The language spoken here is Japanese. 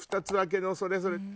２つ分けのそれそれ。